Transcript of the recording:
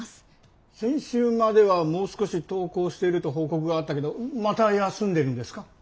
先週まではもう少し登校してると報告があったけどまた休んでるんですか？